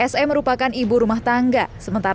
se merupakan ibu rumah tangga